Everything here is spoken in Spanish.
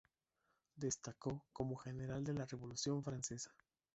Destacó como general de la Revolución francesa.